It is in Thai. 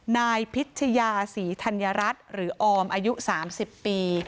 นายพิชยาศรีธัญรัฐหรือออมอายุ๓๐ปี